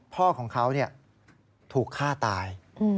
พ่อของเขาถูกฆ่าตาย